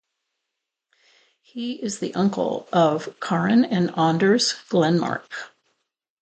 He is the uncle of Karin and Anders Glenmark.